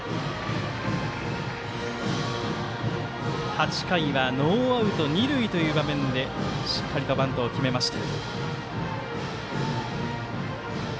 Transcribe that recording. ８回はノーアウト、二塁という場面でしっかりとバントを決めました。